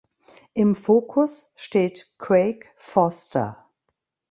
Im Fokus steht Craig Foster.